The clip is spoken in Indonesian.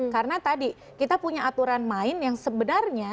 karena tadi kita punya aturan main yang sebenarnya